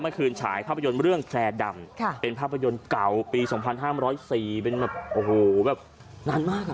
ฉายภาพยนตร์เรื่องแชร์ดำเป็นภาพยนตร์เก่าปี๒๕๐๔เป็นแบบโอ้โหแบบนานมากอ่ะ